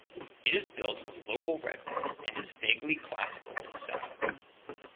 It is built of local redwood and is vaguely Classical in style.